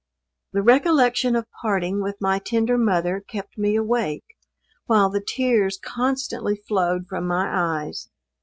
The recollection of parting with my tender mother kept me awake, while the tears constantly flowed from my eyes.